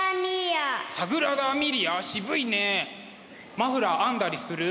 マフラー編んだりする？